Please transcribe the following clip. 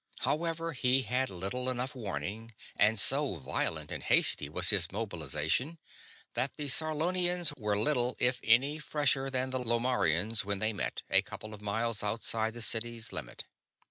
However, he had little enough warning, and so violent and hasty was his mobilization that the Sarlonians were little if any fresher than the Lomarrians when they met, a couple of miles outside the city's limit.